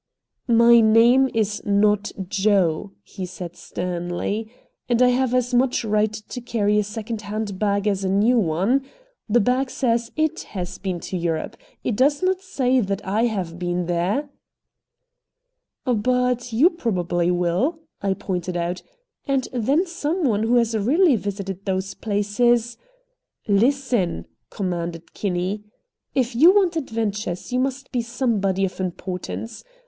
"My name is NOT Joe," he said sternly, "and I have as much right to carry a second hand bag as a new one. The bag says IT has been to Europe. It does not say that I have been there." "But, you probably will," I pointed out, "and then some one who has really visited those places " "Listen!" commanded Kinney. "If you want adventures you must be somebody of importance.